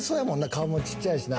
顔もちっちゃいしな。